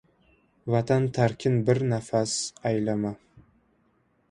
Vatan tarkin bir nafas aylama